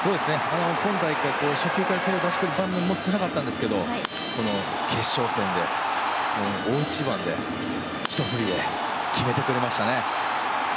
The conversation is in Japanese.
今大会初球から手を出してくる場面も少なかったんですけどこの決勝戦の大一番でひと振りで決めてくれましたね。